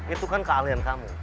itu kan kealian kamu